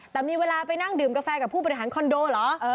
แต่มีเวลาไปนั่งดื่มกาแฟกับผู้บริหารคอนโดเหรอ